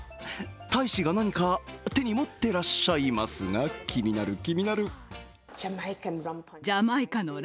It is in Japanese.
大使が何か手に持ってらっしゃいますが、気になる気になる！